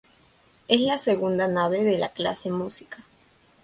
Es la segunda nave de la clase Musica.